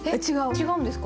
違うんですか？